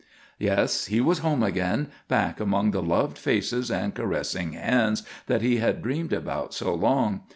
Yes, he was home again, back among the loved faces and caressing hands that he had dreamed about so long.